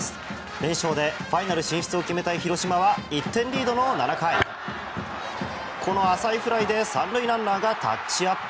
連勝でファイナル進出を決めたい広島は１点リードの７回この浅いフライで３塁ランナーがタッチアップ。